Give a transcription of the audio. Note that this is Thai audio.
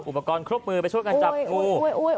อุปกรณ์ครบมือไปช่วยกันจับงู